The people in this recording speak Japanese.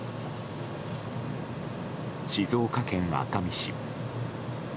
静岡県熱海市。